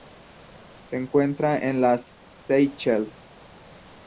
Se encuentra en las Seychelles.